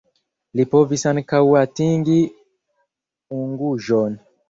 Li povis ankaŭ atingi Unguĵon.